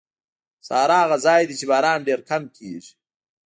صحرا هغه ځای دی چې باران ډېر کم کېږي.